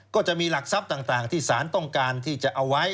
ก็จะมีหลักทรัพย์ต่างที่สารต้องการที่จะเอาไว้